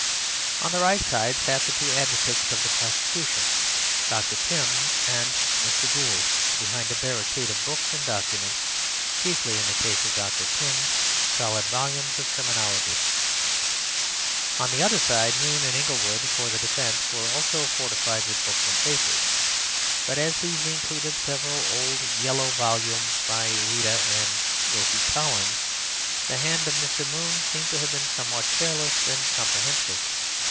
On the right side sat the two advocates of the prosecution, Dr. Pym and Mr. Gould; behind a barricade of books and documents, chiefly (in the case of Dr. Pym) solid volumes of criminology. On the other side, Moon and Inglewood, for the defence, were also fortified with books and papers; but as these included several old yellow volumes by Ouida and Wilkie Collins, the hand of Mr. Moon seemed to have been somewhat careless and comprehensive.